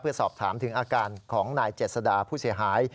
เพื่อสอบถามถึงอาการของนายเจษดาผู้เสียหาย